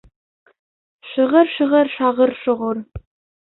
Шығыр, шығыр, шағыр-шоғор...